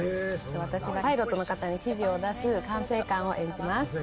私はパイロットの方に指示を出す管制官を演じます。